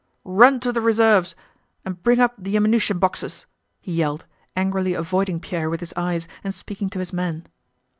"Run to the reserves and bring up the ammunition boxes!" he yelled, angrily avoiding Pierre with his eyes and speaking to his men.